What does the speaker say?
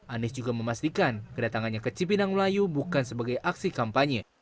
anies juga memastikan kedatangannya ke cipinang melayu bukan sebagai aksi kampanye